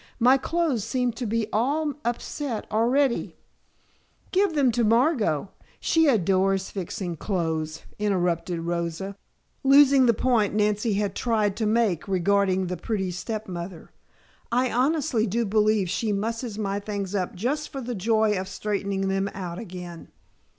My clothes seem to be all upset already " "Give them to Margot, she adores fixing clothes," interrupted Rosa, losing the point Nancy had tried to make regarding the pretty step mother. "I honestly do believe she musses my things up just for the joy of straightening them out again."